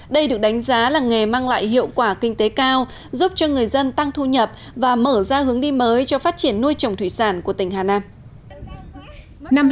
đây được đánh giá là nghề mang lại hiệu quả kinh tế cao giúp cho người dân tăng thu nhập và mở ra hướng đi mới cho phát triển nuôi trồng thủy sản của tỉnh hà nam